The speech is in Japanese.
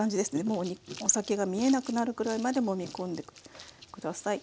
もうお酒が見えなくなるくらいまでもみ込んで下さい。